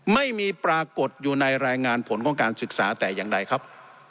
ไม่มีปรากฏอยู่ในรายงานผลของการศึกษาแต่อย่างใดครับ